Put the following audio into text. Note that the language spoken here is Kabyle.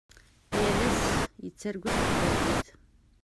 Yal ass yettargu s teqbaylit.